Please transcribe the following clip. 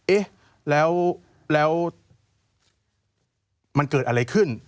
เอ๊ะแล้วมันเกิดอะไรขึ้น